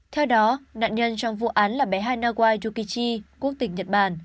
theo đó nạn nhân trong vụ án là bé hai naguai yukichi quốc tịch nhật bản